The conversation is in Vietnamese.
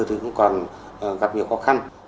cũng còn gặp nhiều khó khăn